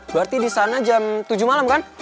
berarti di sana jam tujuh malam kan